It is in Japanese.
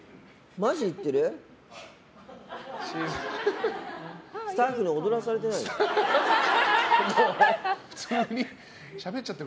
マジで言ってる？